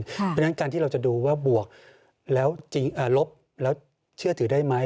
เพราะฉะนั้นการที่เราจะดูว่าบวกแล้วลบแล้วเชื่อถือได้ไหม